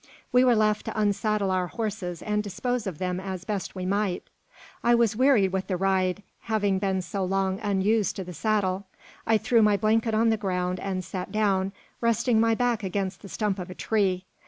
We were left to unsaddle our horses and dispose of them as best we might. I was wearied with the ride, having been so long unused to the saddle. I threw my blanket on the ground, and sat down, resting my back against the stump of a tree.